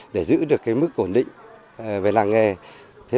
để giữ được mức ổn định về làng nghề